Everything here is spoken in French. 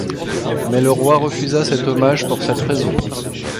Mais le roi refusa cet hommage pour cette raison.